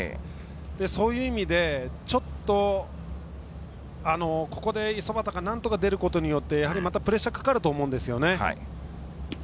そういう意味で、ちょっとここで五十幡がなんとか出ることによってまたプレッシャーがかかると思うんですよね。